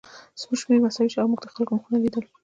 زموږ شمېر مساوي شو او موږ د خلکو مخونه لیدل